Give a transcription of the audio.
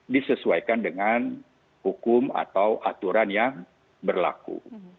disesuaikan dengan hukum atau aturan yang berlaku